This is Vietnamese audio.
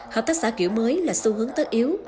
hợp tác xã kiểu mới là xu hướng tất yếu